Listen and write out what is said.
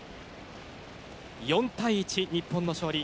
４対１、日本の勝利。